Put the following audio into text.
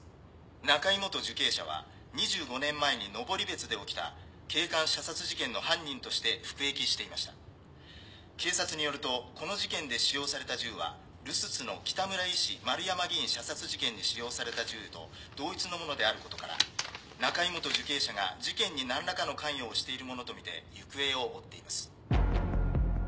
「中井元受刑者は２５年前に登別で起きた警官射殺事件の犯人として服役していました」「警察によるとこの事件で使用された銃は留寿都の北村医師・丸山議員射殺事件に使用された銃と同一のものであることから中井元受刑者が事件に何らかの関与をしているものと見て行方を追っています」